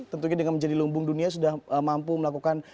tentunya dengan menjadi lumbung dunia sudah mampu melakukan